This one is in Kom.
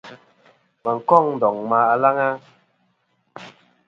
Wà n-kôŋ ndòŋ ma alaŋ a?